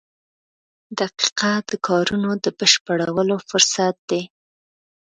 • دقیقه د کارونو د بشپړولو فرصت دی.